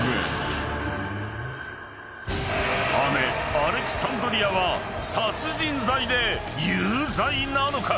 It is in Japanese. ［姉アレクサンドリアは殺人罪で有罪なのか？